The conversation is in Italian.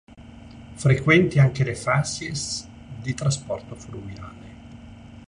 Frequenti anche le facies di trasporto fluviale.